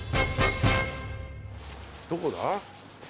どこだ？